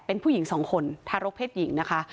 เป็นผู้หญิงสองคนทารกเพศหญิงนะคะ